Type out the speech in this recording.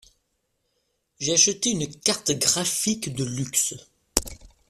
J'ai acheté une carte graphique de luxe.